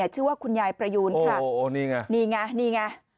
ชื่อว่าคุณยายประยูนค่ะโอ้นี่ไงนี่ไงนี่ไง